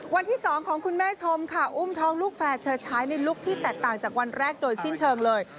วันที่๒ของคุณแม่ชมค่ะอุ้มท้องลูกแฝดเชิดใช้ในลุคที่แตกต่างจากวันแรกโดยสิ้นเชิงเลย